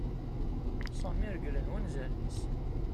Sami reglen wanzaren-is.